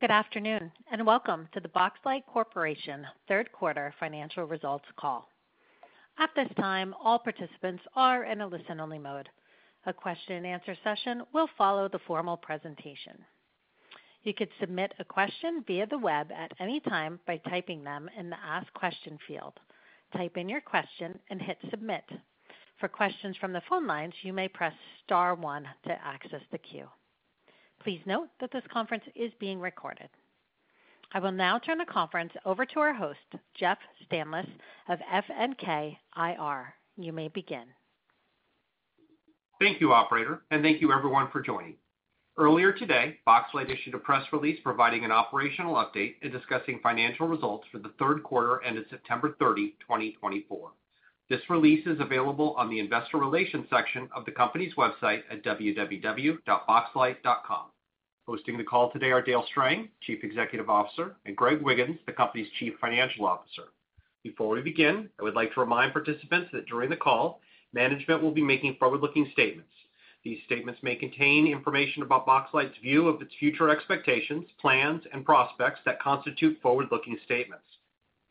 Good afternoon and welcome to the Boxlight Corporation Q3 Financial Results Call. At this time, all participants are in a listen-only mode. A question-and-answer session will follow the formal presentation. You could submit a question via the web at any time by typing them in the Ask Question field. Type in your question and hit Submit. For questions from the phone lines, you may press star one to access the queue. Please note that this conference is being recorded. I will now turn the conference over to our host, Jeff Stanlis of FNK IR. You may begin. Thank you, Operator, and thank you, everyone, for joining. Earlier today, Boxlight issued a press release providing an operational update and discussing financial results for Q3 ended 30 September, 2024. This release is available on the Investor Relations section of the company's website at www.boxlight.com. Hosting the call today are Dale Strang, Chief Executive Officer, and Greg Wiggins, the company's Chief Financial Officer. Before we begin, I would like to remind participants that during the call, management will be making forward-looking statements. These statements may contain information about Boxlight's view of its future expectations, plans, and prospects that constitute forward-looking statements.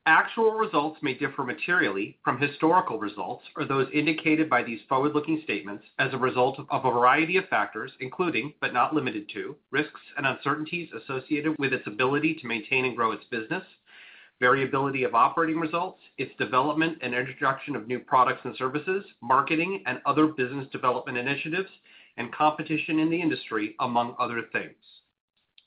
Actual results may differ materially from historical results or those indicated by these forward-looking statements as a result of a variety of factors, including but not limited to risks and uncertainties associated with its ability to maintain and grow its business, variability of operating results, its development and introduction of new products and services, marketing and other business development initiatives, and competition in the industry, among other things.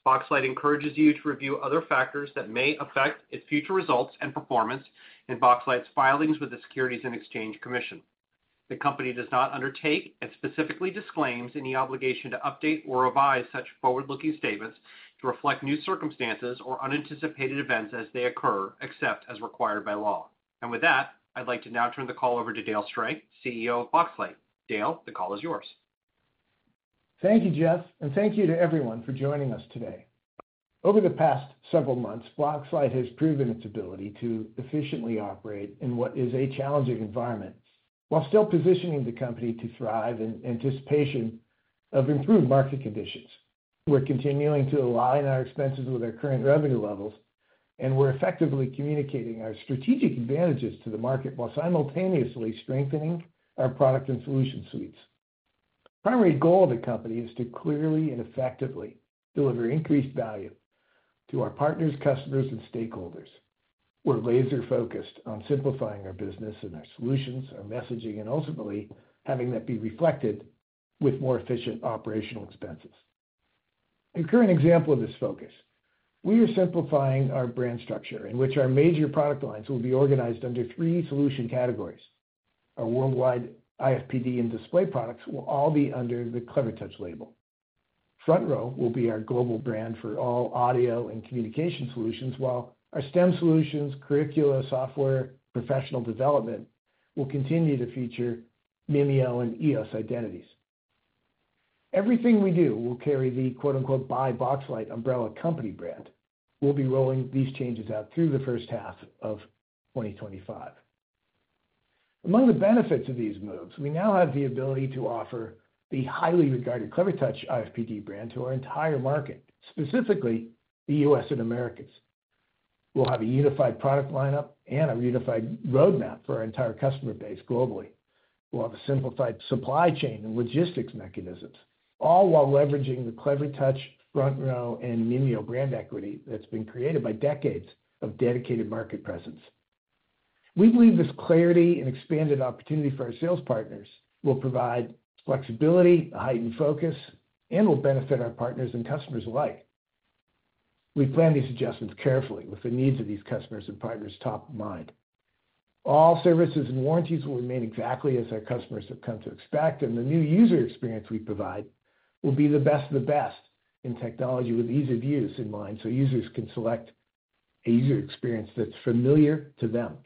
Boxlight encourages you to review other factors that may affect its future results and performance in Boxlight's filings with the Securities and Exchange Commission. The company does not undertake and specifically disclaims any obligation to update or revise such forward-looking statements to reflect new circumstances or unanticipated events as they occur, except as required by law. And with that, I'd like to now turn the call over to Dale Strang, CEO of Boxlight. Dale, the call is yours. Thank you, Jeff, and thank you to everyone for joining us today. Over the past several months, Boxlight has proven its ability to efficiently operate in what is a challenging environment while still positioning the company to thrive in anticipation of improved market conditions. We're continuing to align our expenses with our current revenue levels, and we're effectively communicating our strategic advantages to the market while simultaneously strengthening our product and solution suites. The primary goal of the company is to clearly and effectively deliver increased value to our partners, customers, and stakeholders. We're laser-focused on simplifying our business and our solutions, our messaging, and ultimately having that be reflected with more efficient operational expenses. A current example of this focus: we are simplifying our brand structure in which our major product lines will be organized under three solution categories. Our worldwide IFPD and display products will all be under the Clevertouch label. FrontRow will be our global brand for all audio and communication solutions, while our STEM solutions, curricula, software, and professional development will continue to feature Mimio and EOS identities. Everything we do will carry the by Boxlight umbrella company brand. We'll be rolling these changes out through H1 of 2025. Among the benefits of these moves, we now have the ability to offer the highly regarded Clevertouch IFPD brand to our entire market, specifically the U.S. and Americas. We'll have a unified product lineup and a unified roadmap for our entire customer base globally. We'll have a simplified supply chain and logistics mechanisms, all while leveraging the Clevertouch, FrontRow, and Mimio brand equity that's been created by decades of dedicated market presence. We believe this clarity and expanded opportunity for our sales partners will provide flexibility, heightened focus, and will benefit our partners and customers alike. We plan these adjustments carefully with the needs of these customers and partners top of mind. All services and warranties will remain exactly as our customers have come to expect, and the new user experience we provide will be the best of the best in technology with ease of use in mind, so users can select a user experience that's familiar to them.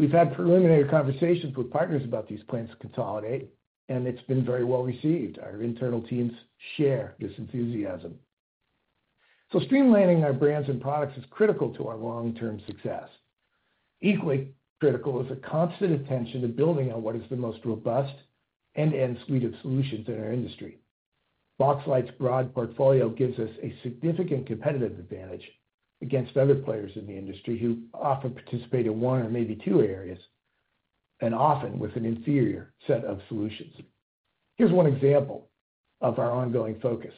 We've had preliminary conversations with partners about these plans to consolidate, and it's been very well received. Our internal teams share this enthusiasm. So streamlining our brands and products is critical to our long-term success. Equally critical is a constant attention to building on what is the most robust end-to-end suite of solutions in our industry. Boxlight's broad portfolio gives us a significant competitive advantage against other players in the industry who often participate in one or maybe two areas and often with an inferior set of solutions. Here's one example of our ongoing focus.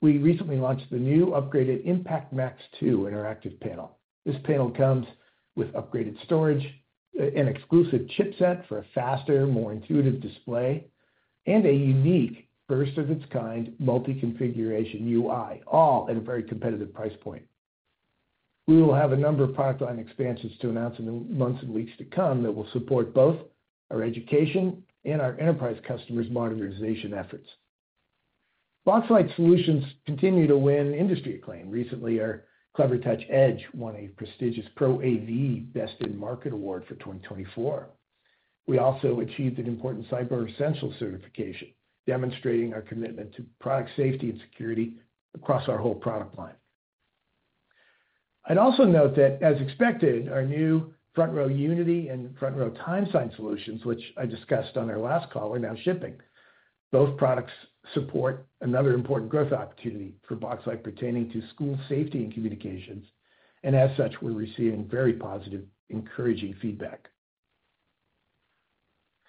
We recently launched the new upgraded IMPACT Max 2 interactive panel. This panel comes with upgraded storage, an exclusive chipset for a faster, more intuitive display, and a unique first-of-its-kind multi-configuration UI, all at a very competitive price point. We will have a number of product line expansions to announce in the months and weeks to come that will support both our education and our enterprise customers' modernization efforts. Boxlight solutions continue to win industry acclaim. Recently, our Clevertouch Edge won a prestigious Pro AV Best in Market award for 2024. We also achieved an important Cyber Essentials certification, demonstrating our commitment to product safety and security across our whole product line. I'd also note that, as expected, our new FrontRow Unity and FrontRow TimeSign solutions, which I discussed on our last call, are now shipping. Both products support another important growth opportunity for Boxlight pertaining to school safety and communications, and as such, we're receiving very positive, encouraging feedback.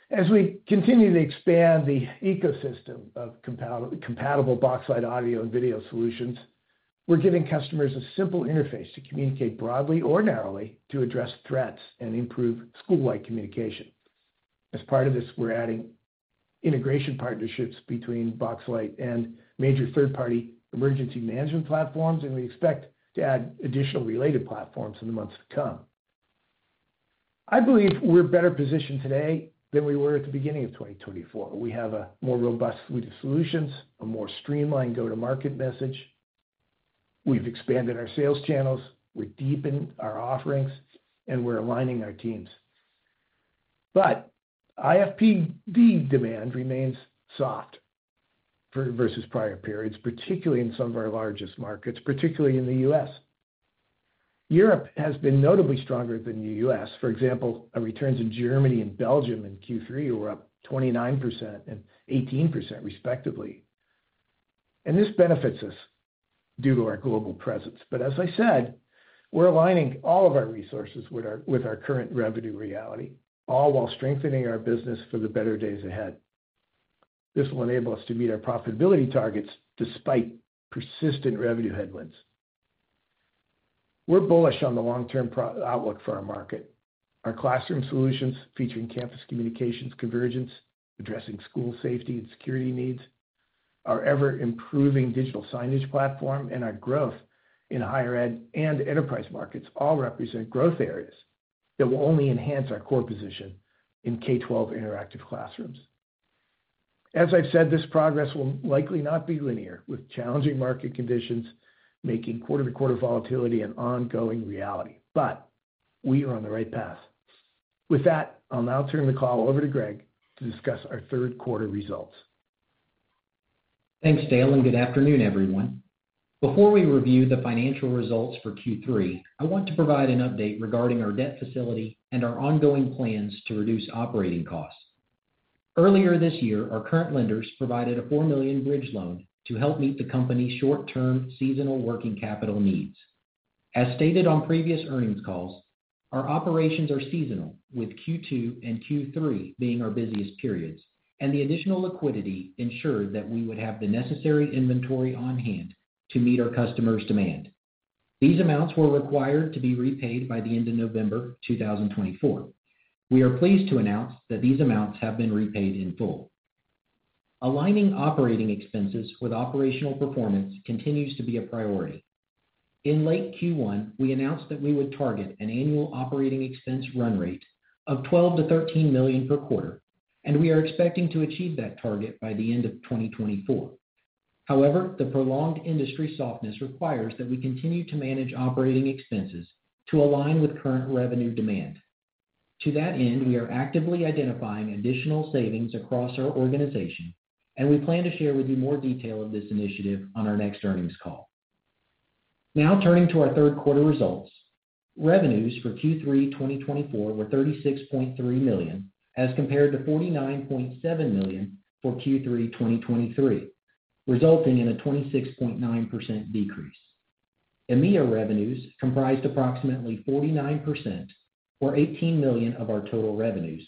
As we continue to expand the ecosystem of compatible Boxlight audio and video solutions, we're giving customers a simple interface to communicate broadly or narrowly to address threats and improve school-wide communication. As part of this, we're adding integration partnerships between Boxlight and major third-party emergency management platforms, and we expect to add additional related platforms in the months to come. I believe we're better positioned today than we were at the beginning of 2024. We have a more robust suite of solutions, a more streamlined go-to-market message. We've expanded our sales channels, we've deepened our offerings, and we're aligning our teams. But IFPD demand remains soft versus prior periods, particularly in some of our largest markets, particularly in the U.S. Europe has been notably stronger than the U.S. For example, our returns in Germany and Belgium in Q3 were up 29% and 18%, respectively. And this benefits us due to our global presence. But as I said, we're aligning all of our resources with our current revenue reality, all while strengthening our business for the better days ahead. This will enable us to meet our profitability targets despite persistent revenue headwinds. We're bullish on the long-term outlook for our market. Our classroom solutions featuring campus communications, convergence, addressing school safety and security needs, our ever-improving digital signage platform, and our growth in higher ed and enterprise markets all represent growth areas that will only enhance our core position in K-12 interactive classrooms. As I've said, this progress will likely not be linear, with challenging market conditions making quarter-to-quarter volatility an ongoing reality. But we are on the right path. With that, I'll now turn the call over to Greg to discuss our Q3 results. Thanks, Dale, and good afternoon, everyone. Before we review the financial results for Q3, I want to provide an update regarding our debt facility and our ongoing plans to reduce operating costs. Earlier this year, our current lenders provided a $4 million bridge loan to help meet the company's short-term seasonal working capital needs. As stated on previous earnings calls, our operations are seasonal, with Q2 and Q3 being our busiest periods, and the additional liquidity ensured that we would have the necessary inventory on hand to meet our customers' demand. These amounts were required to be repaid by the end of November 2024. We are pleased to announce that these amounts have been repaid in full. Aligning operating expenses with operational performance continues to be a priority. In late Q1, we announced that we would target an annual operating expense run rate of $12 to 13 million per quarter, and we are expecting to achieve that target by the end of 2024. However, the prolonged industry softness requires that we continue to manage operating expenses to align with current revenue demand. To that end, we are actively identifying additional savings across our organization, and we plan to share with you more detail of this initiative on our next earnings call. Now turning to our Q3 results, revenues for Q3 2024 were $36.3 million as compared to $49.7 million for Q3 2023, resulting in a 26.9% decrease. EMEA revenues comprised approximately 49% or $18 million of our total revenues.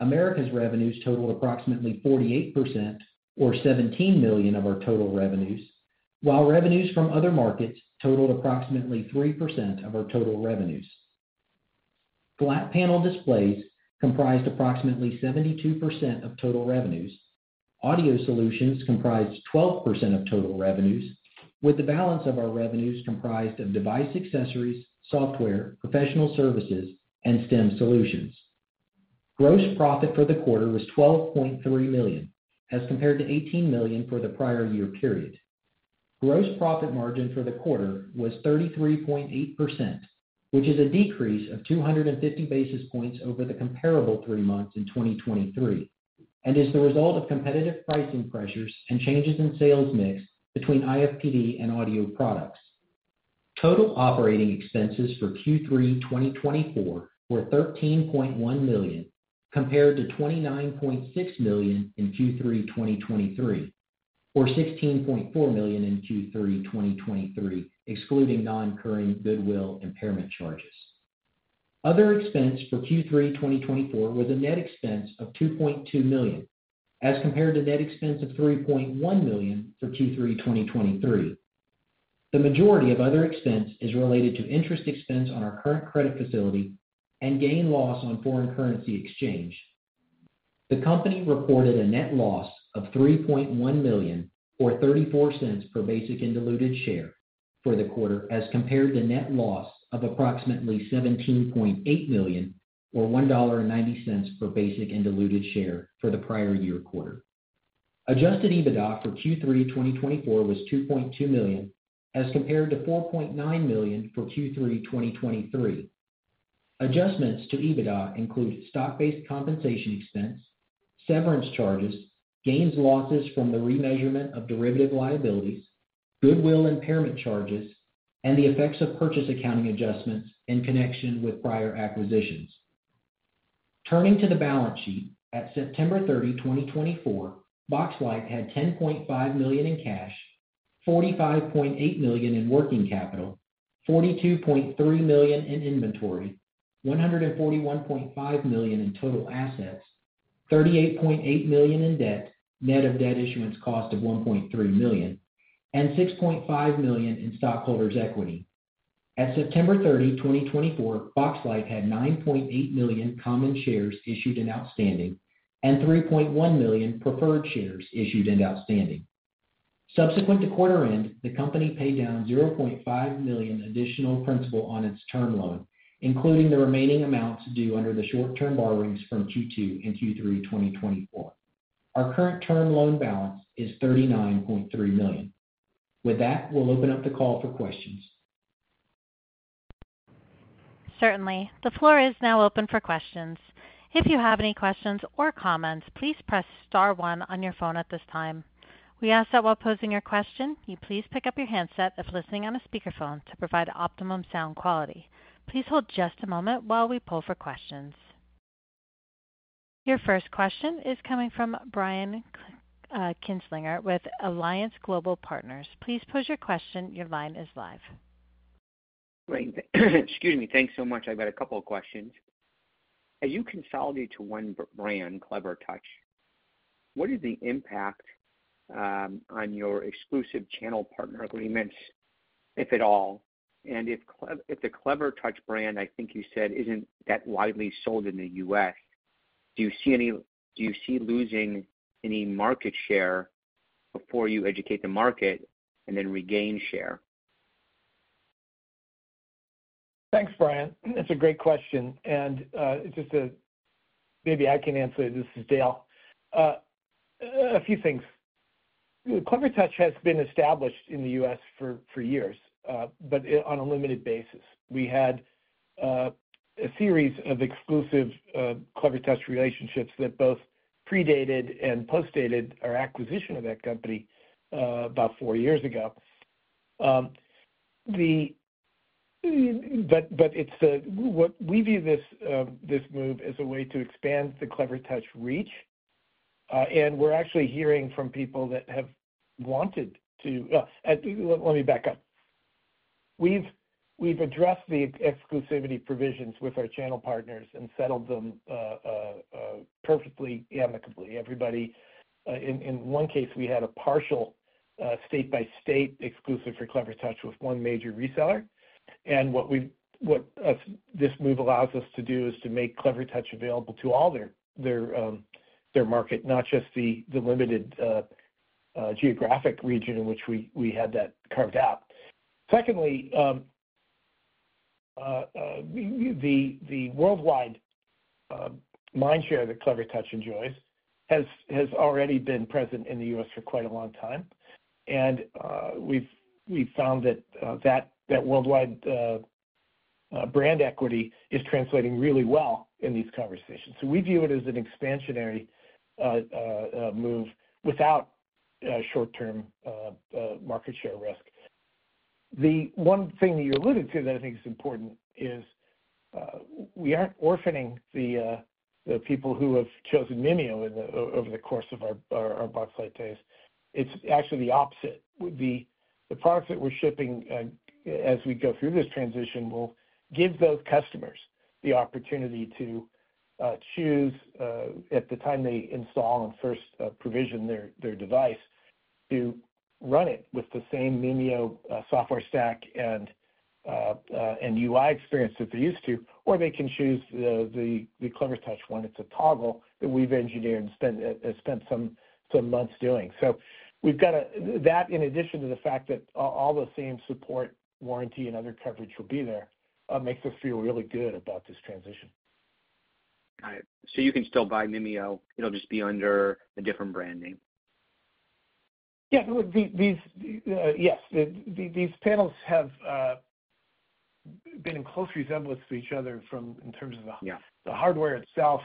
Americas revenues totaled approximately 48% or $17 million of our total revenues, while revenues from other markets totaled approximately 3% of our total revenues. Flat panel displays comprised approximately 72% of total revenues. Audio solutions comprised 12% of total revenues, with the balance of our revenues comprised of device accessories, software, professional services, and STEM solutions. Gross profit for the quarter was $12.3 million as compared to $18 million for the prior year period. Gross profit margin for the quarter was 33.8%, which is a decrease of 250 basis points over the comparable three months in 2023 and is the result of competitive pricing pressures and changes in sales mix between IFPD and audio products. Total operating expenses for Q3 2024 were $13.1 million compared to $29.6 million in Q3 2023 or $ 16.4 million in Q3 2023, excluding non-recurring goodwill impairment charges. Other expense for Q3 2024 was a net expense of $2.2 million as compared to net expense of $3.1 million for Q3 2023. The majority of other expense is related to interest expense on our current credit facility and gain/loss on foreign currency exchange. The company reported a net loss of $3.1 million or $0.34 per basic and diluted share for the quarter as compared to net loss of approximately $17.8 million or $1.90 per basic and diluted share for the prior year quarter. Adjusted EBITDA for Q3 2024 was $2.2 million as compared to $4.9 million for Q3 2023. Adjustments to EBITDA include stock-based compensation expense, severance charges, gains/losses from the remeasurement of derivative liabilities, goodwill impairment charges, and the effects of purchase accounting adjustments in connection with prior acquisitions. Turning to the balance sheet, at 30 September, 2024, Boxlight had $10.5 million in cash, $45.8 million in working capital, $42.3 million in inventory, $141.5 million in total assets, $38.8 million in debt, net of debt issuance cost of $1.3 million, and $6.5 million in stockholders' equity. At 30 September, 2024, Boxlight had $9.8 million common shares issued and outstanding and $3.1 million preferred shares issued and outstanding. Subsequent to quarter end, the company paid down $0.5 million additional principal on its term loan, including the remaining amounts due under the short-term borrowings from Q2 and Q3 2024. Our current term loan balance is $39.3 million. With that, we'll open up the call for questions. Certainly. The floor is now open for questions. If you have any questions or comments, please press star one on your phone at this time. We ask that while posing your question, you please pick up your handset if listening on a speakerphone to provide optimum sound quality. Please hold just a moment while we pull for questions. Your first question is coming from Brian Kinstlinger with Alliance Global Partners. Please pose your question. Your line is live. Great. Excuse me. Thanks so much. I've got a couple of questions. As you consolidate to one brand, Clevertouch, what is the impact on your exclusive channel partner agreements, if at all? And if the Clevertouch brand, I think you said, isn't that widely sold in the U.S., do you see losing any market share before you educate the market and then regain share? Thanks, Brian. That's a great question. And just maybe I can answer it. This is Dale. A few things. Clevertouch has been established in the U.S. for years, but on a limited basis. We had a series of exclusive Clevertouch relationships that both predated and post-dated our acquisition of that company about four years ago. But we view this move as a way to expand the Clevertouch reach, and we're actually hearing from people that have wanted to. Let me back up. We've addressed the exclusivity provisions with our channel partners and settled them perfectly, amicably. In one case, we had a partial state-by-state exclusive for Clevertouch with one major reseller. And what this move allows us to do is to make Clevertouch available to all their market, not just the limited geographic region in which we had that carved out. Secondly, the worldwide mind share that Clevertouch enjoys has already been present in the U.S. for quite a long time, and we've found that that worldwide brand equity is translating really well in these conversations. So we view it as an expansionary move without short-term market share risk. The one thing that you alluded to that I think is important is we aren't orphaning the people who have chosen Mimio over the course of our Boxlight days. It's actually the opposite. The products that we're shipping as we go through this transition will give those customers the opportunity to choose, at the time they install and first provision their device, to run it with the same Mimio software stack and UI experience that they're used to, or they can choose the Clevertouch one. It's a toggle that we've engineered and spent some months doing. So that, in addition to the fact that all the same support, warranty, and other coverage will be there, makes us feel really good about this transition. Got it. So you can still buy Mimio. It'll just be under a different brand name? Yeah. Yes. These panels have been in close resemblance to each other in terms of the hardware itself,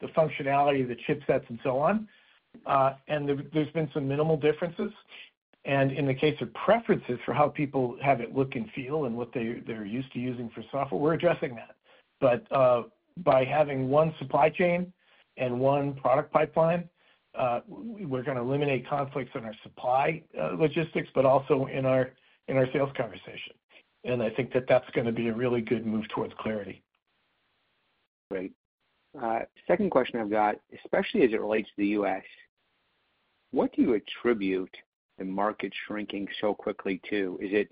the functionality, the chipsets, and so on. And there's been some minimal differences. And in the case of preferences for how people have it look and feel and what they're used to using for software, we're addressing that. But by having one supply chain and one product pipeline, we're going to eliminate conflicts in our supply logistics, but also in our sales conversation. And I think that that's going to be a really good move towards clarity. Great. Second question I've got, especially as it relates to the U.S., what do you attribute the market shrinking so quickly to? Is it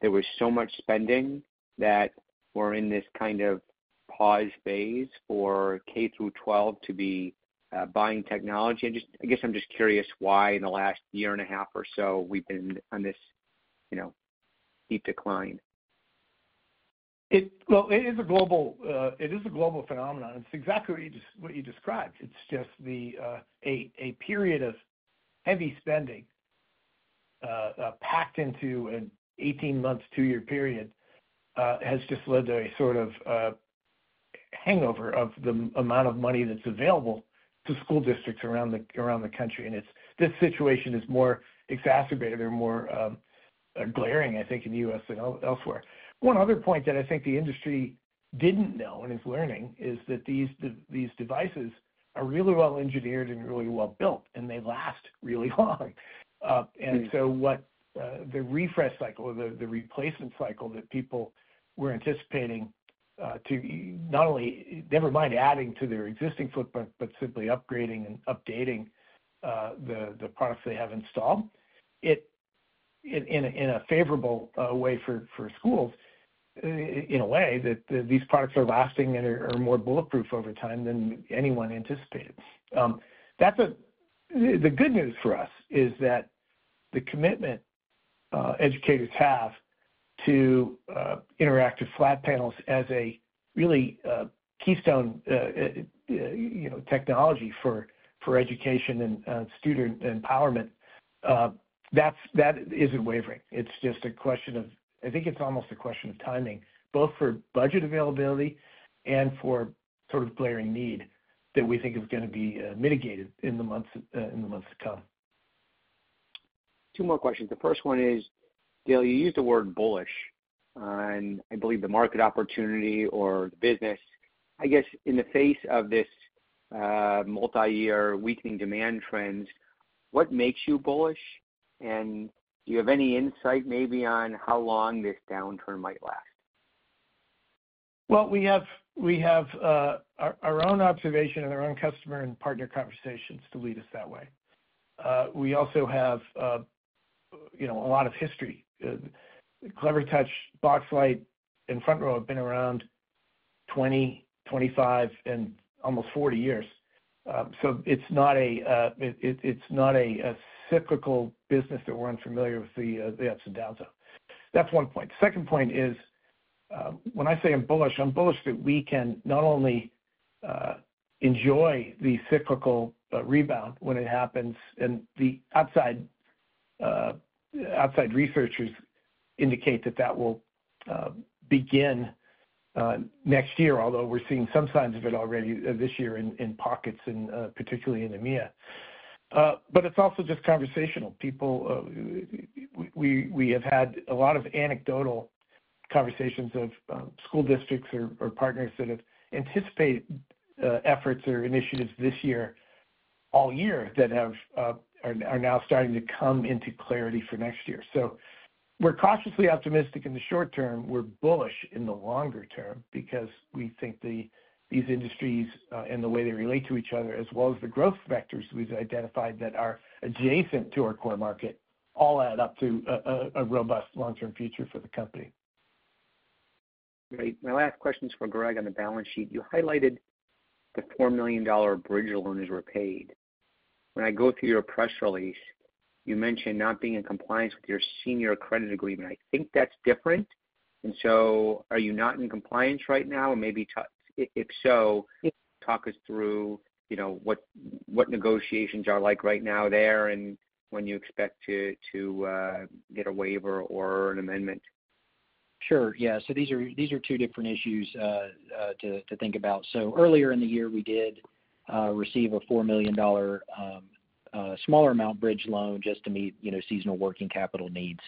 there was so much spending that we're in this kind of pause phase for K-12 to be buying technology? I guess I'm just curious why in the last year and a half or so we've been on this deep decline. It is a global phenomenon. It's exactly what you described. It's just a period of heavy spending packed into an 18-month, two-year period has just led to a sort of hangover of the amount of money that's available to school districts around the country. This situation is more exacerbated or more glaring, I think, in the U.S. than elsewhere. One other point that I think the industry didn't know and is learning is that these devices are really well-engineered and really well-built, and they last really long. So the refresh cycle, the replacement cycle that people were anticipating to not only never mind adding to their existing footprint, but simply upgrading and updating the products they have installed in a favorable way for schools in a way that these products are lasting and are more bulletproof over time than anyone anticipated. The good news for us is that the commitment educators have to interactive flat panels as a really keystone technology for education and student empowerment, that isn't wavering. It's just a question of, I think it's almost a question of timing, both for budget availability and for sort of glaring need that we think is going to be mitigated in the months to come. Two more questions. The first one is, Dale, you used the word bullish on, I believe, the market opportunity or the business. I guess in the face of this multi-year weakening demand trends, what makes you bullish? And do you have any insight maybe on how long this downturn might last? We have our own observation and our own customer and partner conversations to lead us that way. We also have a lot of history. Clevertouch, Boxlight, and FrontRow have been around 20, 25, and almost 40 years. So it's not a cyclical business that we're unfamiliar with the ups and downs of. That's one point. The second point is, when I say I'm bullish, I'm bullish that we can not only enjoy the cyclical rebound when it happens, and the outside researchers indicate that that will begin next year, although we're seeing some signs of it already this year in pockets, and particularly in EMEA. But it's also just conversational. We have had a lot of anecdotal conversations of school districts or partners that have anticipated efforts or initiatives this year, all year, that are now starting to come into clarity for next year. So we're cautiously optimistic in the short term. We're bullish in the longer term because we think these industries and the way they relate to each other, as well as the growth factors we've identified that are adjacent to our core market, all add up to a robust long-term future for the company. Great. My last question is for Greg on the balance sheet. You highlighted the $4 million bridge loan as we repaid. When I go through your press release, you mentioned not being in compliance with your senior credit agreement. I think that's different. And so are you not in compliance right now? And maybe if so, talk us through what negotiations are like right now there and when you expect to get a waiver or an amendment. Sure. Yeah. So these are two different issues to think about. So earlier in the year, we did receive a $4 million smaller amount bridge loan just to meet seasonal working capital needs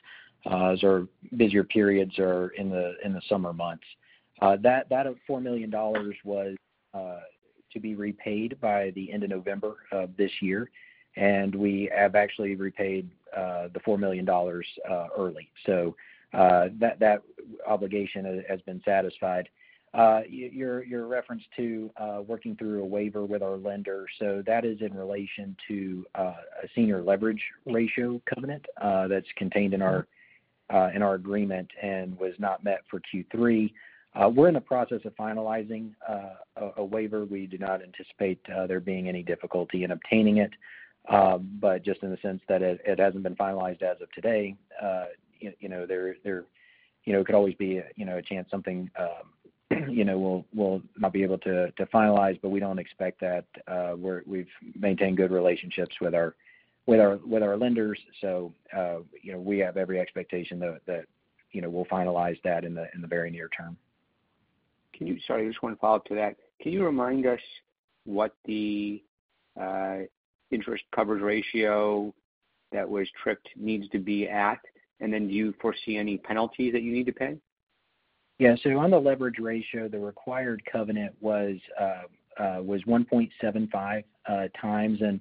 as our busier periods are in the summer months. That $4 million was to be repaid by the end of November of this year. And we have actually repaid the $4 million early. So that obligation has been satisfied. Your reference to working through a waiver with our lender. So that is in relation to a Senior Leverage Ratio covenant that's contained in our agreement and was not met for Q3. We're in the process of finalizing a waiver. We do not anticipate there being any difficulty in obtaining it, but just in the sense that it hasn't been finalized as of today. There could always be a chance something will not be able to finalize, but we don't expect that. We've maintained good relationships with our lenders, so we have every expectation that we'll finalize that in the very near term. Sorry, I just want to follow up to that. Can you remind us what the interest coverage ratio that was tripped needs to be at? And then do you foresee any penalties that you need to pay? Yeah. So on the leverage ratio, the required covenant was 1.75x. And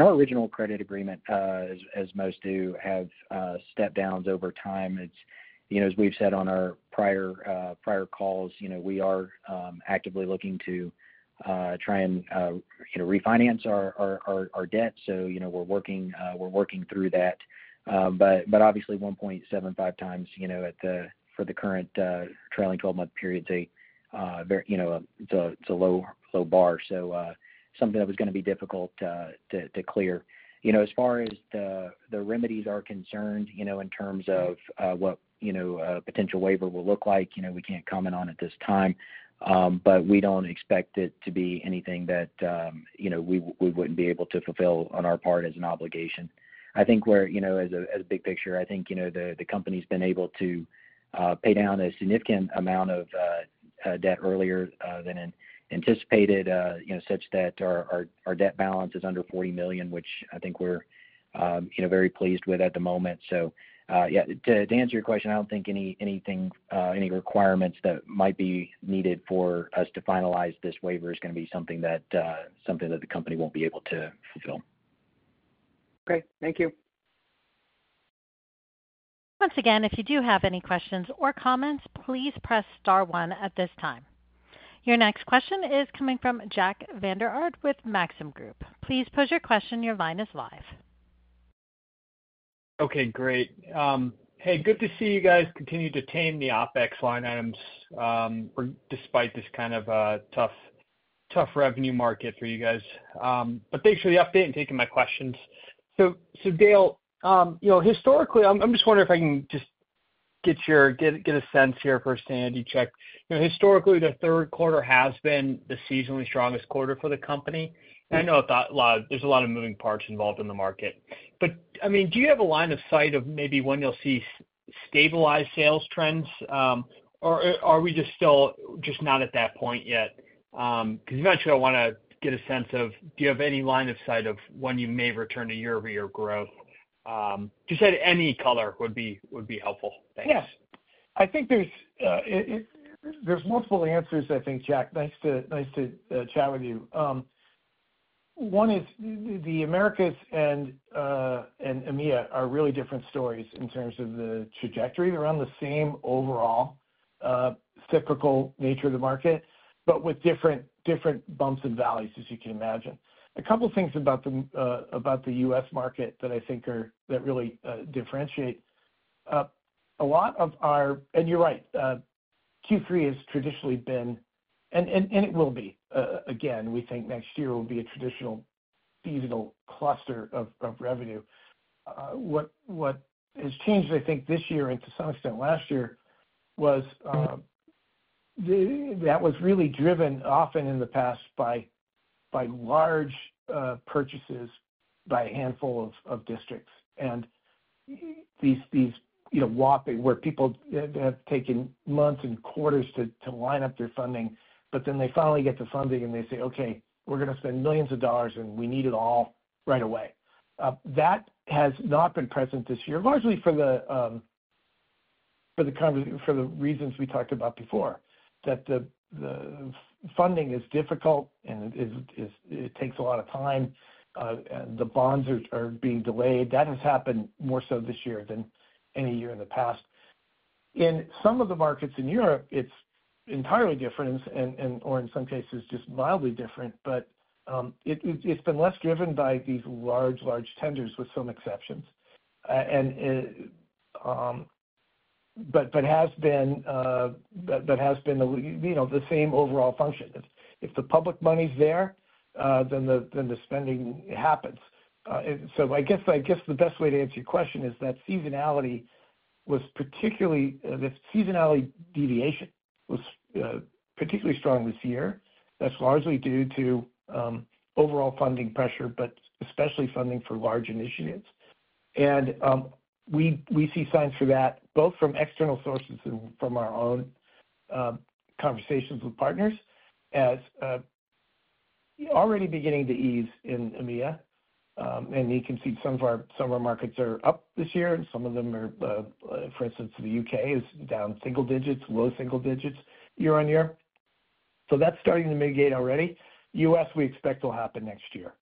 our original credit agreement, as most do, has step-downs over time. As we've said on our prior calls, we are actively looking to try and refinance our debt. So we're working through that. But obviously, 1.75x for the current trailing 12-month period, it's a low bar. So something that was going to be difficult to clear. As far as the remedies are concerned, in terms of what a potential waiver will look like, we can't comment on at this time, but we don't expect it to be anything that we wouldn't be able to fulfill on our part as an obligation. I think as a big picture, I think the company's been able to pay down a significant amount of debt earlier than anticipated, such that our debt balance is under $40 million, which I think we're very pleased with at the moment, so yeah, to answer your question, I don't think any requirements that might be needed for us to finalize this waiver is going to be something that the company won't be able to fulfill. Great. Thank you. Once again, if you do have any questions or comments, please press star one at this time. Your next question is coming from Jack Vander Aarde with Maxim Group. Please pose your question. Your line is live. Okay. Great. Hey, good to see you guys continue to tame the OpEx line items despite this kind of tough revenue market for you guys. But thanks for the update and taking my questions. So Dale, historically, I'm just wondering if I can just get a sense here for sanity check. Historically, Q3 has been the seasonally strongest quarter for the company. And I know there's a lot of moving parts involved in the market. But I mean, do you have a line of sight of maybe when you'll see stabilized sales trends, or are we just not at that point yet? Because eventually, I want to get a sense of do you have any line of sight of when you may return a year-over-year growth? Just any color would be helpful. Thanks. Yeah. I think there's multiple answers, I think, Jack. Nice to chat with you. One is the Americas and EMEA are really different stories in terms of the trajectory. They're on the same overall cyclical nature of the market, but with different bumps and valleys, as you can imagine. A couple of things about the U.S. market that I think really differentiate a lot of our, and you're right, Q3 has traditionally been, and it will be again, we think next year will be a traditional seasonal cluster of revenue. What has changed, I think, this year and to some extent last year was that really driven often in the past by large purchases by a handful of districts. These whopping where people have taken months and quarters to line up their funding, but then they finally get the funding and they say, Okay, we're going to spend millions of dollars, and we need it all right away. That has not been present this year, largely for the reasons we talked about before, that the funding is difficult and it takes a lot of time, and the bonds are being delayed. That has happened more so this year than any year in the past. In some of the markets in Europe, it's entirely different or in some cases just mildly different, but it's been less driven by these large, large tenders with some exceptions. It has been the same overall function. If the public money's there, then the spending happens. So I guess the best way to answer your question is that seasonality was particularly, the seasonality deviation was particularly strong this year. That's largely due to overall funding pressure, but especially funding for large initiatives. And we see signs for that both from external sources and from our own conversations with partners as already beginning to ease in EMEA. And you can see some of our markets are up this year, and some of them are, for instance, the U.K. is down single digits, low single digits year-on-year. So that's starting to mitigate already. U.S., we expect will happen next year.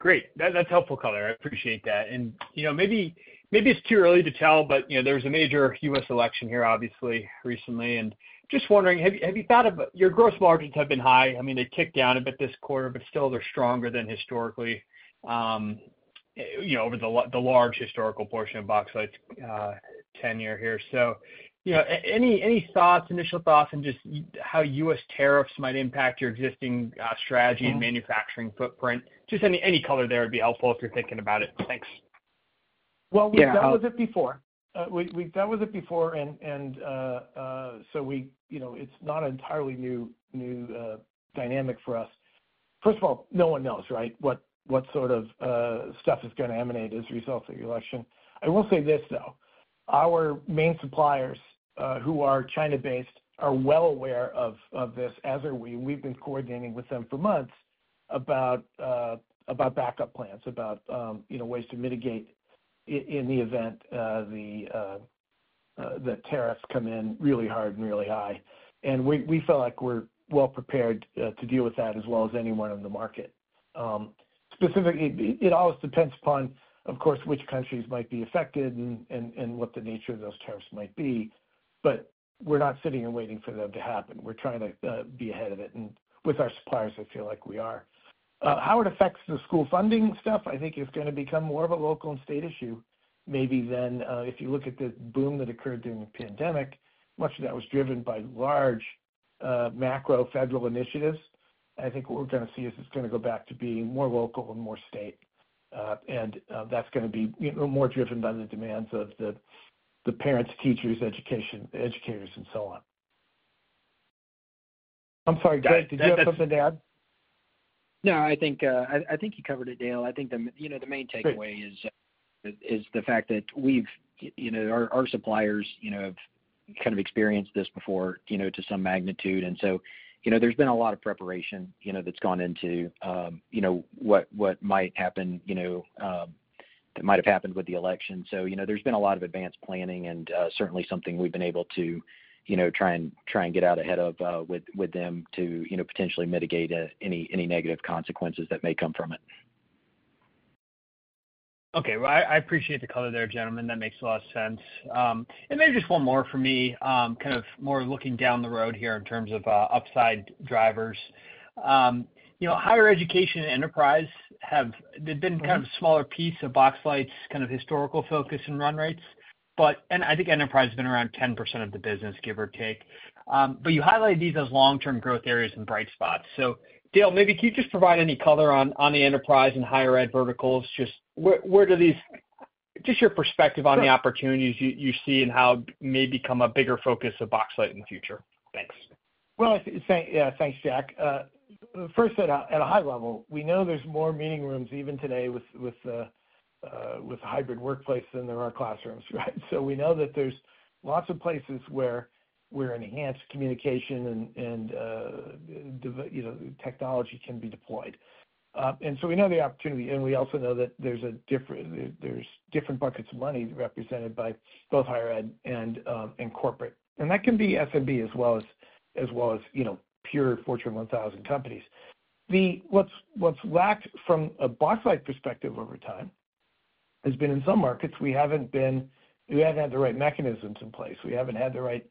Okay. Great. That's helpful, Color. I appreciate that. And maybe it's too early to tell, but there was a major U.S. election here, obviously, recently. And just wondering, have you thought of your gross margins have been high? I mean, they ticked down a bit this quarter, but still they're stronger than historically over the large historical portion of Boxlight's tenure here. So any thoughts, initial thoughts, and just how U.S. tariffs might impact your existing strategy and manufacturing footprint? Just any color there would be helpful if you're thinking about it. Thanks. We dealt with it before. We dealt with it before, and so it's not an entirely new dynamic for us. First of all, no one knows, right, what sort of stuff is going to emanate as a result of the election. I will say this though. Our main suppliers who are China-based are well aware of this, as are we. We've been coordinating with them for months about backup plans, about ways to mitigate in the event the tariffs come in really hard and really high, and we feel like we're well prepared to deal with that as well as anyone in the market. Specifically, it always depends upon, of course, which countries might be affected and what the nature of those tariffs might be, but we're not sitting and waiting for them to happen. We're trying to be ahead of it. With our suppliers, I feel like we are. How it affects the school funding stuff, I think, is going to become more of a local and state issue. Maybe then if you look at the boom that occurred during the pandemic, much of that was driven by large macro federal initiatives. I think what we're going to see is it's going to go back to being more local and more state. That's going to be more driven by the demands of the parents, teachers, educators, and so on. I'm sorry, Greg, did you have something to add? No, I think you covered it, Dale. I think the main takeaway is the fact that our suppliers have kind of experienced this before to some magnitude, and so there's been a lot of preparation that's gone into what might happen that might have happened with the election, so there's been a lot of advanced planning and certainly something we've been able to try and get out ahead of with them to potentially mitigate any negative consequences that may come from it. Okay. Well, I appreciate the color there, gentlemen. That makes a lot of sense, and maybe just one more for me, kind of more looking down the road here in terms of upside drivers. Higher education and enterprise, they've been kind of a smaller piece of Boxlight's kind of historical focus and run rates, and I think enterprise has been around 10% of the business, give or take, but you highlighted these as long-term growth areas and bright spots, so Dale, maybe can you just provide any color on the enterprise and higher ed verticals? Just where do these—just your perspective on the opportunities you see and how may become a bigger focus of Boxlight in the future. Thanks. Thanks, Jack. First, at a high level, we know there's more meeting rooms even today with hybrid workplace than there are classrooms, right? We know that there's lots of places where enhanced communication and technology can be deployed. We know the opportunity. We also know that there's different buckets of money represented by both higher ed and corporate. That can be SMB as well as pure Fortune 1000 companies. What's lacked from a Boxlight perspective over time has been in some markets. We haven't had the right mechanisms in place. We haven't had the right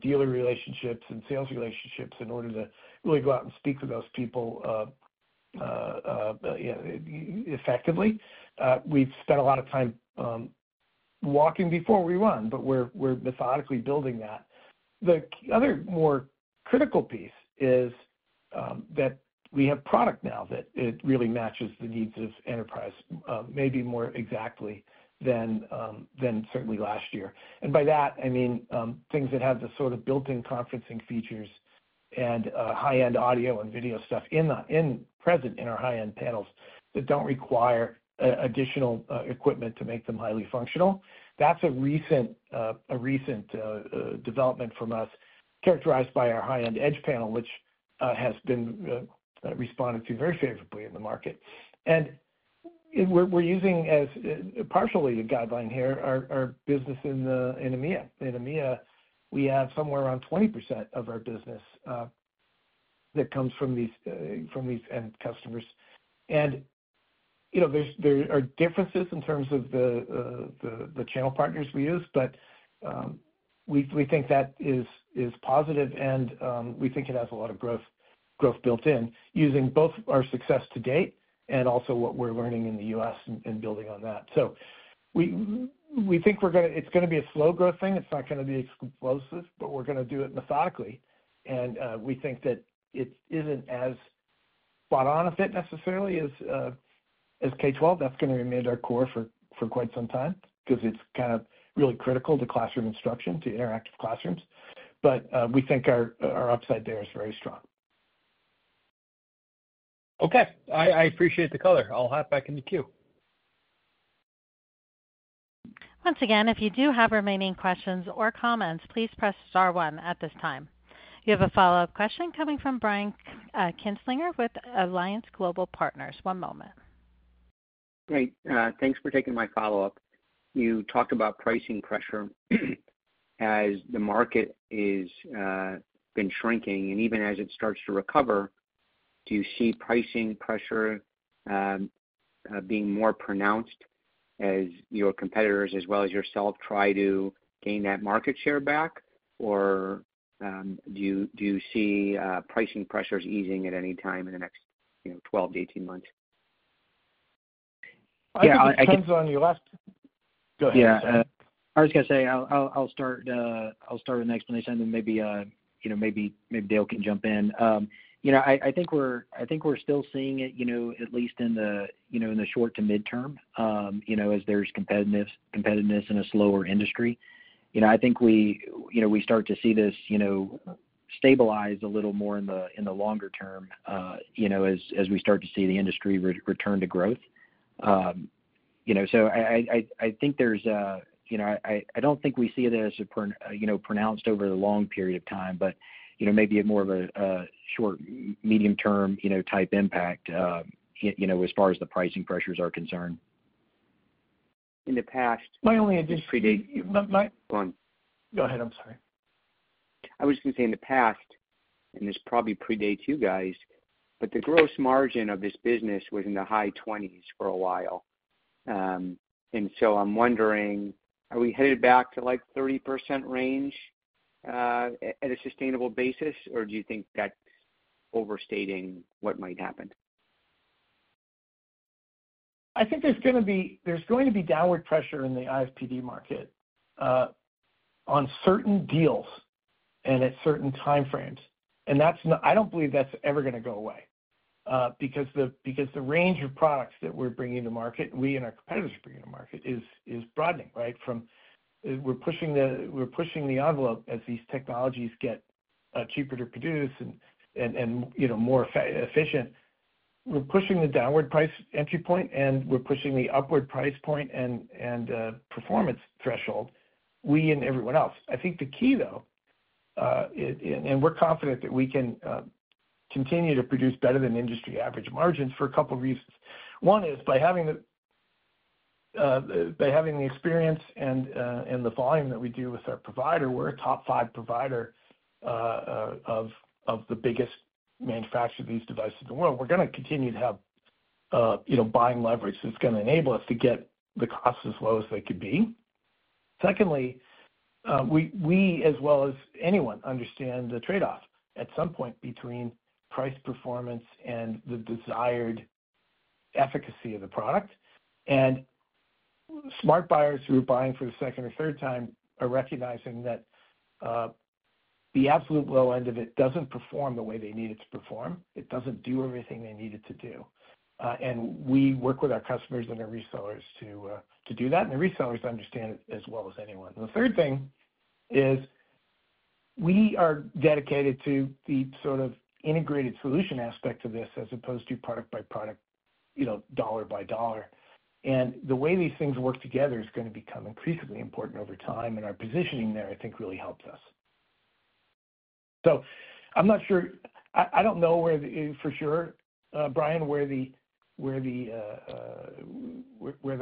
dealer relationships and sales relationships in order to really go out and speak with those people effectively. We've spent a lot of time walking before we run, but we're methodically building that. The other more critical piece is that we have product now that really matches the needs of enterprise maybe more exactly than certainly last year. And by that, I mean things that have the sort of built-in conferencing features and high-end audio and video stuff present in our high-end panels that don't require additional equipment to make them highly functional. That's a recent development from us characterized by our high-end Edge panel, which has been responded to very favorably in the market, and we're using partially a guideline here, our business in EMEA. In EMEA, we have somewhere around 20% of our business that comes from these end customers. And there are differences in terms of the channel partners we use, but we think that is positive, and we think it has a lot of growth built in using both our success to date and also what we're learning in the U.S. and building on that. So we think it's going to be a slow growth thing. It's not going to be explosive, but we're going to do it methodically. And we think that it isn't as spot-on a fit necessarily as K-12. That's going to remain our core for quite some time because it's kind of really critical to classroom instruction, to interactive classrooms. But we think our upside there is very strong. Okay. I appreciate the color. I'll hop back in the queue. Once again, if you do have remaining questions or comments, please press star one at this time. You have a follow-up question coming from Brian Kinstlinger with Alliance Global Partners. One moment. Great. Thanks for taking my follow-up. You talked about pricing pressure. As the market has been shrinking and even as it starts to recover, do you see pricing pressure being more pronounced as your competitors as well as yourself try to gain that market share back? Or do you see pricing pressures easing at any time in the next 12-18 months? Yeah. Depends on your left. Go ahead. Yeah. I was going to say I'll start with an explanation, and then maybe Dale can jump in. I think we're still seeing it, at least in the short to midterm, as there's competitiveness in a slower industry. I think we start to see this stabilize a little more in the longer term as we start to see the industry return to growth. So I think there's - I don't think we see this pronounced over the long period of time, but maybe more of a short, medium-term type impact as far as the pricing pressures are concerned. In the past. My only addition. Go ahead. I'm sorry. I was going to say in the past, and this probably predates you guys, but the gross margin of this business was in the high 20s for a while. And so I'm wondering, are we headed back to like 30% range at a sustainable basis, or do you think that's overstating what might happen? I think there's going to be downward pressure in the IFPD market on certain deals and at certain time frames, and I don't believe that's ever going to go away because the range of products that we're bringing to market, we and our competitors are bringing to market, is broadening, right? We're pushing the envelope as these technologies get cheaper to produce and more efficient. We're pushing the downward price entry point, and we're pushing the upward price point and performance threshold. We and everyone else. I think the key, though, and we're confident that we can continue to produce better than industry average margins for a couple of reasons. One is by having the experience and the volume that we do with our provider, we're a top five provider of the biggest manufacturer of these devices in the world. We're going to continue to have buying leverage that's going to enable us to get the cost as low as they could be. Secondly, we, as well as anyone, understand the trade-off at some point between price performance and the desired efficacy of the product. And smart buyers who are buying for the second or third time are recognizing that the absolute low end of it doesn't perform the way they need it to perform. It doesn't do everything they need it to do. And we work with our customers and our resellers to do that. And the resellers understand it as well as anyone. The third thing is we are dedicated to the sort of integrated solution aspect of this as opposed to product by product, dollar by dollar. And the way these things work together is going to become increasingly important over time. Our positioning there, I think, really helps us. So I'm not sure. I don't know for sure, Brian, where the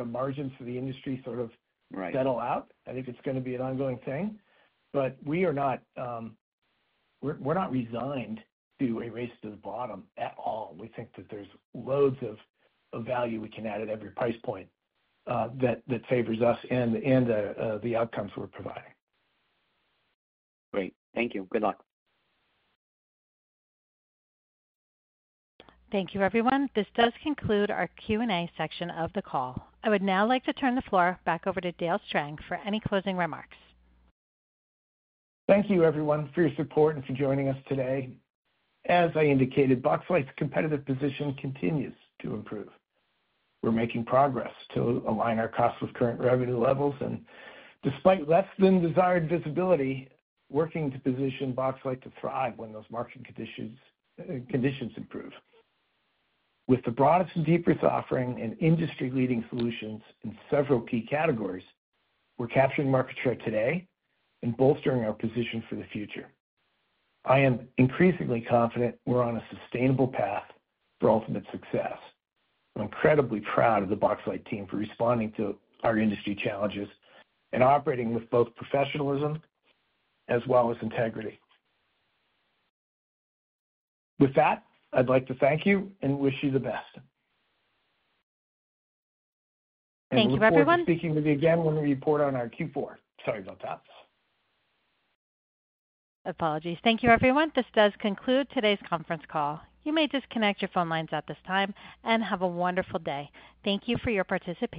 margins for the industry sort of settle out. I think it's going to be an ongoing thing. But we are not resigned to race to the bottom at all. We think that there's loads of value we can add at every price point that favors us and the outcomes we're providing. Great. Thank you. Good luck. Thank you, everyone. This does conclude our Q&A section of the call. I would now like to turn the floor back over to Dale Strang for any closing remarks. Thank you, everyone, for your support and for joining us today. As I indicated, Boxlight's competitive position continues to improve. We're making progress to align our costs with current revenue levels. And despite less than desired visibility, we're working to position Boxlight to thrive when those market conditions improve. With the broadest and deepest offering and industry-leading solutions in several key categories, we're capturing market share today and bolstering our position for the future. I am increasingly confident we're on a sustainable path for ultimate success. I'm incredibly proud of the Boxlight team for responding to our industry challenges and operating with both professionalism as well as integrity. With that, I'd like to thank you and wish you the best. Thank you, everyone. We'll be speaking with you again when we report on our Q4. Sorry about that. Apologies. Thank you, everyone. This does conclude today's conference call. You may disconnect your phone lines at this time and have a wonderful day. Thank you for your participation.